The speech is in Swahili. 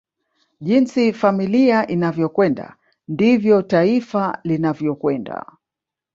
Jinsi familia inavyokwenda ndivyo taifa linavyokwenda